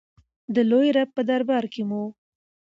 د لوی رب په دربار کې مو.